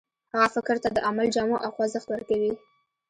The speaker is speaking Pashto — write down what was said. هغه فکر ته د عمل جامه او خوځښت ورکوي.